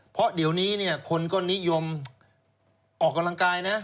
เพราะเดี๋ยวนี้เนี่ยคนก็นิยมออกกำลังกายนะ